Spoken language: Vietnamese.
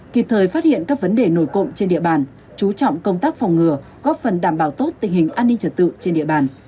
kịp thời phát hiện các vấn đề nổi cộng trên địa bàn chú trọng công tác phòng ngừa góp phần đảm bảo tốt tình hình an ninh trật tự trên địa bàn